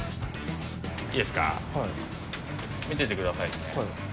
いいですか、見ててくださいね。